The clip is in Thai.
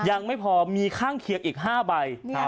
ยังไม่พอมีข้างเคียงอีก๕ใบ